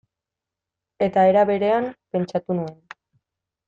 Eta era berean, pentsatu nuen.